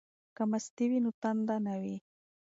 که مستې وي نو تنده نه وي.